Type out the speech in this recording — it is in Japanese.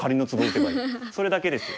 それだけです。